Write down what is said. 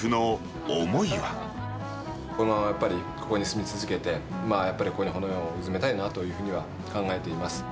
このままやっぱりここに住み続けて、やっぱりここに骨をうずめたいなというふうに考えています。